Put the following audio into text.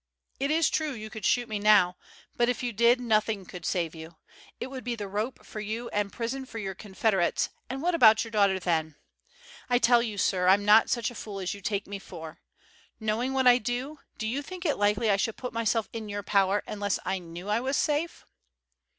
It is true you could shoot me now, but if you did, nothing could save you. It would be the rope for you and prison for your confederates, and what about your daughter then? I tell you, sir, I'm not such a fool as you take me for. Knowing what I do, do you think it likely I should put myself in your power unless I knew I was safe?"